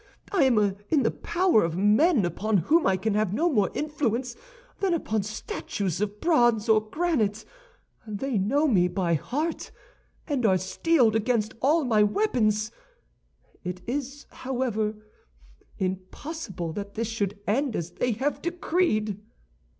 I am in the power of men upon whom I can have no more influence than upon statues of bronze or granite; they know me by heart, and are steeled against all my weapons. It is, however, impossible that this should end as they have decreed!"